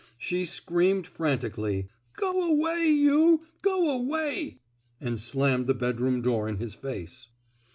She screamed frantically, Go away, yon! Go away! '^ and slammed the bedroom door in his face.